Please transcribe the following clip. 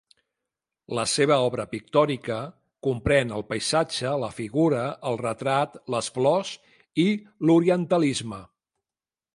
La seva obra pictòrica comprèn el paisatge, la figura, el retrat, les flors i l'orientalisme.